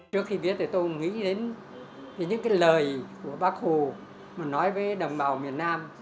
trước khi viết thì tôi nghĩ đến những lời của bắc hồ nói với đồng bào miền nam